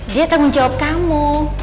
dia tanggung jawab kamu